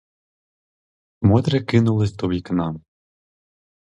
Мотря кинулась до вікна.